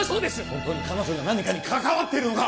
本当に彼女が何かに関わっているのか？